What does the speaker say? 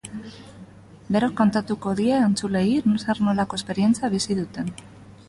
Berak kontatuko die entzuleei zer nolako esperientzia bizi duten.